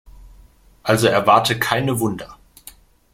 Also erwarte keine Wunder.